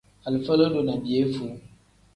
Alifa lodo ni piyefuu.